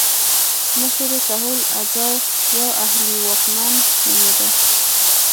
مشر یې کهول اجاو یا الهي واکمن نومېده